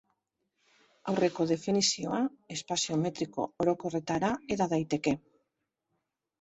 Aurreko definizioa espazio metriko orokorretara heda daiteke.